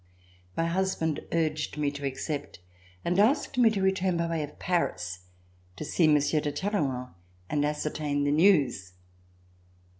My husband urged me to accept and asked me to return by way of Paris, to see Monsieur de Talleyrand and ascertain the news.